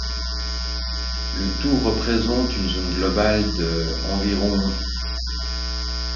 Le tout représente une zone globale de environ.